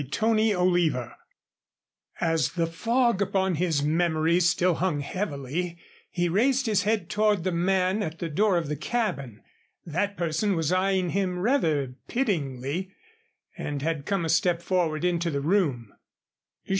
CHAPTER II As the fog upon his memory still hung heavily he raised his head toward the man at the door of the cabin. That person was eyeing him rather pityingly and had come a step forward into the room.